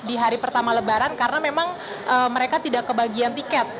di hari pertama lebaran karena memang mereka tidak kebagian tiket